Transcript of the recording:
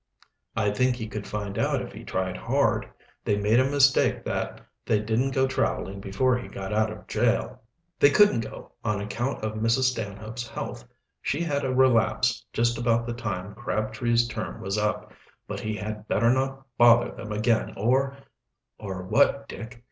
"I think he could find out if he tried hard. They made a mistake that they didn't go traveling before he got out of jail." "They couldn't go, on account of Mrs. Stanhope's health. She had a relapse just about the time Crabtree's term was up. But he had better not bother them again, or " "Or what, Dick?